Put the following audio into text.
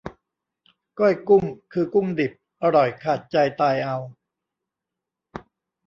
ก้อยกุ้ง คือกุ้งดิบ อร่อยขาดใจตายเอา